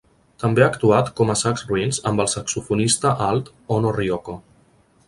També ha actuat com a Sax Ruins amb el saxofonista alt Ono Ryoko.